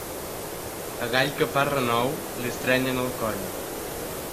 A gall que fa renou, li estrenyen el coll.